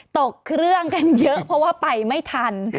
ตกเครื่องกันเยอะเพราะว่าไปไม่ทัน